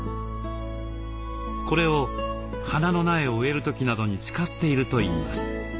これを花の苗を植える時などに使っているといいます。